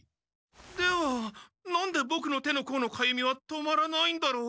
では何でボクの手のこうのかゆみは止まらないんだろう？